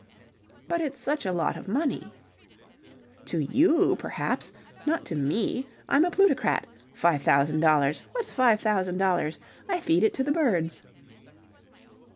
"But it's such a lot of money." "To you, perhaps. Not to me. I'm a plutocrat. Five thousand dollars! What's five thousand dollars? I feed it to the birds."